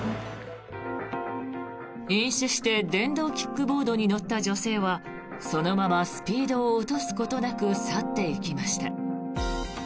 飲酒して電動キックボードに乗った女性はそのままスピードを落とすことなく去っていきました。